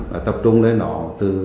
đã tập trung lên đó từ